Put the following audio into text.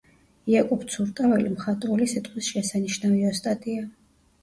იაკობ ცურტაველი მხატვრული სიტყვის შესანიშნავი ოსტატია.